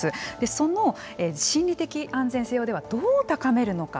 その心理的安全性をどう高めるのか。